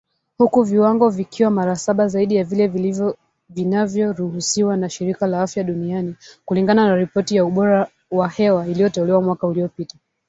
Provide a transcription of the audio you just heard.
Huku viwango vikiwa mara saba zaidi ya vile vinavyoruhusiwa na Shirika la Afya Duniani , kulingana na ripoti ya ubora wa hewa iliyotolewa mwaka uliopita